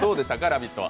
「ラヴィット！」